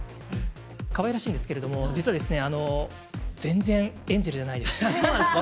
かわいらしいですけれども実は全然エンジェルじゃないです。